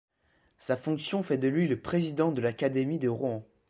Sa fonction fait de lui le président de l'Académie de Rouen.